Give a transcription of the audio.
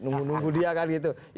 nunggu nunggu dia kan gitu